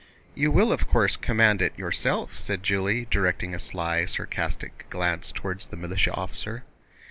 "You will, of course, command it yourself?" said Julie, directing a sly, sarcastic glance toward the militia officer.